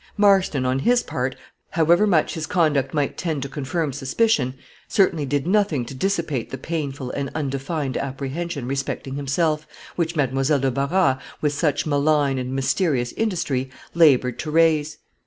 Marston, on his part, however much his conduct might tend to confirm suspicion, certainly did nothing to dissipate the painful and undefined apprehension respecting himself, which Mademoiselle de Barras, with such malign and mysterious industry, labored to raise.